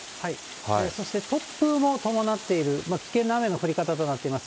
そして突風も伴っている、危険な雨の降り方となっております。